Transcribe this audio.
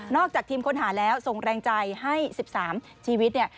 จากทีมค้นหาแล้วส่งแรงใจให้๑๓ชีวิตเนี่ย